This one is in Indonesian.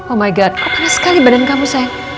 oh my god kok panas sekali badan kamu sayang